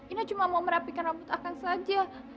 inah cuma mau merapikan rambut akang saja